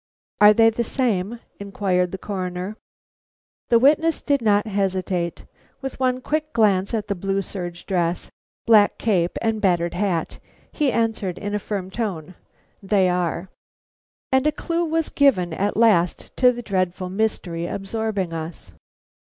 "Are they the same?" inquired the Coroner. The witness did not hesitate. With one quick glance at the blue serge dress, black cape, and battered hat, he answered in a firm tone: "They are." And a clue was given at last to the dreadful mystery absorbing us.